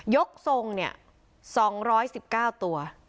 ยกทรงเนี่ย๒๑๙ตัว